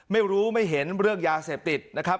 ไม่รู้ไม่เห็นเรื่องยาเสพติดนะครับ